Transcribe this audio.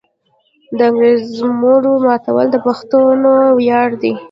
د انګریزامو ماتول د پښتنو ویاړ دی.